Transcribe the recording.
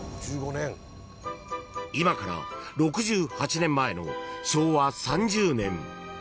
［今から６８年前の昭和３０年］